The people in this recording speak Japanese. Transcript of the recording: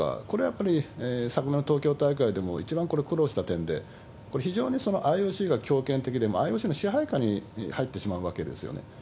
これはやっぱり昨年の東京大会でも一番これ、苦労した点で、これ、非常にＩＯＣが強権的で、ＩＯＣの支配下に入ってしまうわけですよね。